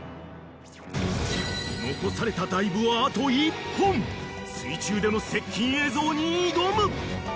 ［残されたダイブはあと１本水中での接近映像に挑む］